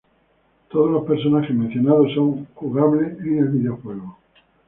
Todos los personajes mencionados son jugables en el videojuego.